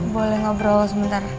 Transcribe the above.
boleh ngobrol sebentar